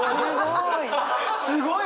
すごい！